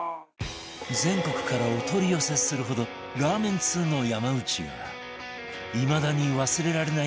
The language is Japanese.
全国からお取り寄せするほどラーメン通の山内がいまだに忘れられない